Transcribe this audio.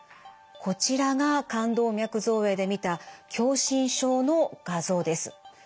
こちらが冠動脈造影で見た狭心症の画像です。